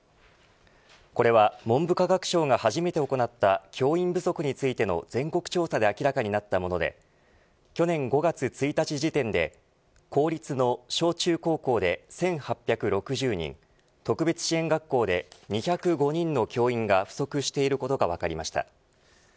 これは文部科学省が初めて行った教員不足についての全国調査で明らかになったもので去年５月１日時点で公立の小中高校で１８６０人特別支援学校で２０５人の教員が不足していることが分かりました。